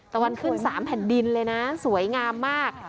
ตะวันขึ้น๓แผ่นดินเลยนะสวยงามมาก